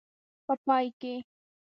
په پای کې.